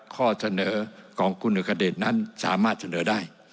ข้อเสนอกองกุณฑ์ขนาดนั้นสามารถเสนอได้